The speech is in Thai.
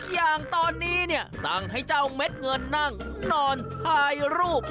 อย่างตอนนี้เนี่ยสั่งให้เจ้าเม็ดเงินนั่งนอนถ่ายรูป